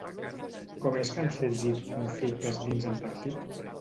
Com és que han sorgit conflictes dins el partit?